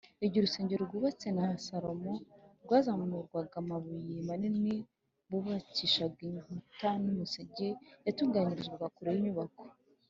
igihe urusengero rwubatse na salomo rwazamurwaga, amabuye manini bubakishaga inkuta n’umusingi yatunganyirizwaga kure y’inyubako